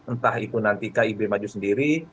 entah itu nanti kib maju sendiri